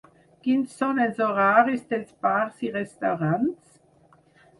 Quins són els horaris dels bars i restaurants?